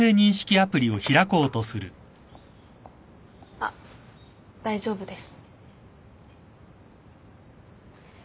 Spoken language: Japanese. あっ大丈夫です。